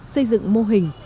xây dựng mô hình